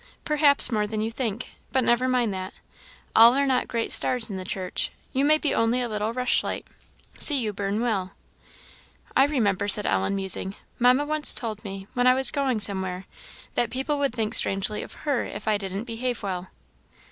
"Perhaps more than you think but never mind that. All are not great stars in the church; you may be only a little rushlight see you burn well." "I remember," said Ellen, musing, "Mamma once told me, when I was going somewhere, that people would think strangely of her if I didn't behave well."